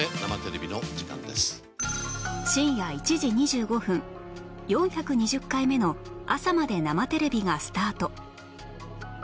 深夜１時２５分４２０回目の『朝まで生テレビ！』がスタート